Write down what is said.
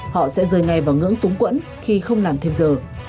họ sẽ rơi ngay vào ngưỡng túng quẫn khi không làm thêm giờ